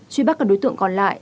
truy bắt các đối tượng còn lại